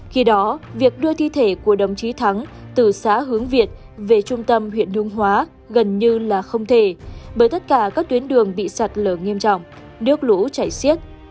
khi đó việc đưa thi thể của đồng chí thắng từ xã hướng việt về trung tâm huyện hương hóa gần như là không thể bởi tất cả các tuyến đường bị sạt lở nghiêm trọng nước lũ chảy xiết